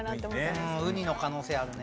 ウニの可能性あるね。